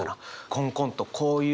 こんこんとこういう